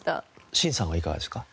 進さんはいかがですか？